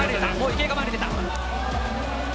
池江が前に出た！